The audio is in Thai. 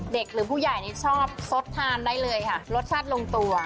หรือผู้ใหญ่นี่ชอบสดทานได้เลยค่ะรสชาติลงตัว